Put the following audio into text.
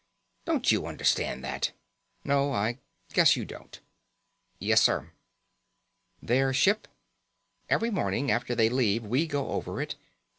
Don't you understand that? No, I guess you don't." "Yes, sir." "Their ship?" "Every morning after they leave we go over it.